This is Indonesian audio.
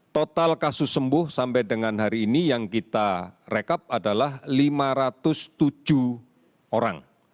total kasus sembuh sampai dengan hari ini yang kita rekap adalah lima ratus tujuh orang